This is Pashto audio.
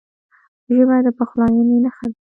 ژبه د پخلاینې نښه ده